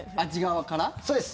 そうです。